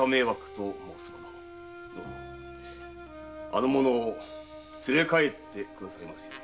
あの者を連れ帰ってくださいませ。